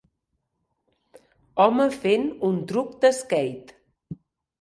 Home fent un truc de skate